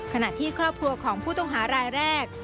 ขณะที่ครอบครัวของผู้ต้องหารายแรก